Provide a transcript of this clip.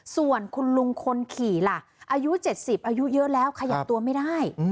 ส่วนคุณลุงคนขี่ล่ะอายุ๗๐อายุเยอะแล้วขยับตัวไม่ได้